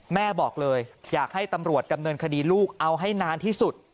แม่บอกเลยอยากให้ตำรวจดำเนินคดีลูกเอาให้นานที่สุด